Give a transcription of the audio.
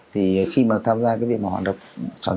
thì khi mà tham gia cái việc hoạt động